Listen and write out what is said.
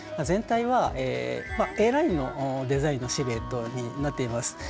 全体はＡラインのデザインのシルエットになっています。